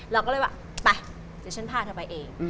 เราก็เลยว่าไปเดี๋ยวฉันพาเธอไปเอง